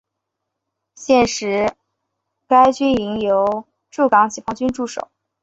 现时该军营由驻港解放军驻守。